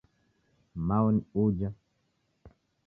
Mao ni uja